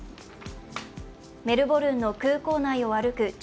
メルボルンの空港内を歩く